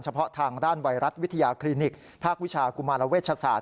เพาะทางด้านไวรัสวิทยาคลินิกภาควิชากุมารเวชศาส